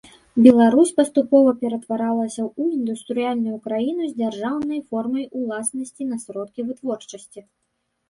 Беларусь паступова ператваралася ў індустрыяльную краіну з дзяржаўнай формай уласнасці на сродкі вытворчасці.